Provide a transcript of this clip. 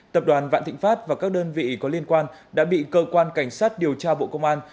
tập đoàn vạn thịnh pháp và các đơn vị có liên quan đã bị cơ quan cảnh sát điều tra bộ công an